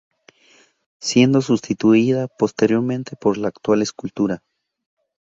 Siendo sustituida posteriormente por la actual escultura.